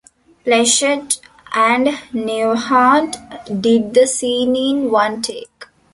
Pleshette and Newhart did the scene in one take.